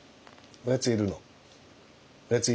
おやついる？